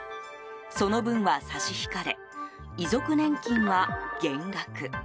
その分は差し引かれ遺族年金は減額。